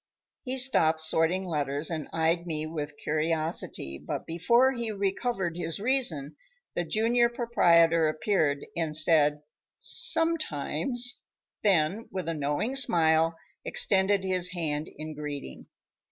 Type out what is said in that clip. He stopped sorting letters and eyed me with curiosity, but before he recovered his reason, the junior proprietor appeared, and said: "Sometimes," then with a knowing smile extended his hand in greeting.